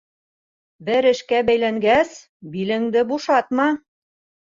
Бер эшкә бәйләнгәс, билеңде бушатма.